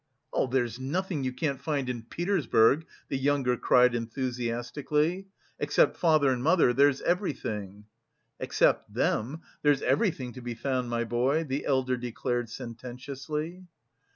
"There's nothing you can't find in Petersburg," the younger cried enthusiastically, "except father and mother, there's everything!" "Except them, there's everything to be found, my boy," the elder declared sententiously.